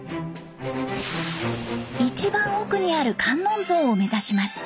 一番奥にある観音像を目指します。